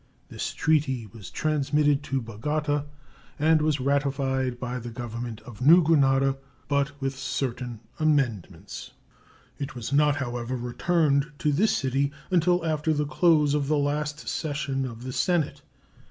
This treaty was transmitted to Bogota and was ratified by the Government of New Granada, but with certain amendments. It was not, however, returned to this city until after the close of the last session of the Senate.